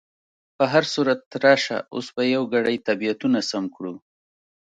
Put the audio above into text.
په هر صورت، راشه اوس به یو ګړی طبیعتونه سم کړو.